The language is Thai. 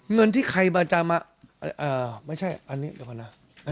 เงินที่ใครมาจำไม่ใช่อันนี้เดี๋ยวก่อนนะ